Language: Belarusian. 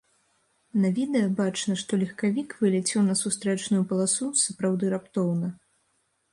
На відэа бачна, што легкавік вылецеў на сустрэчную паласу сапраўды раптоўна.